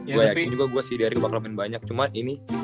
gue yakin juga gue si derick bakal main banyak cuman ini